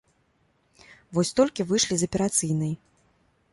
Вось толькі выйшлі з аперацыйнай.